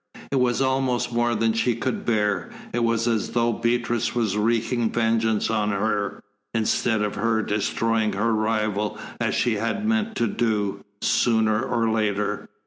It was almost more than she could bear. It was as though Beatrice were wreaking vengeance on her, instead of her destroying her rival as she had meant to do, sooner or later.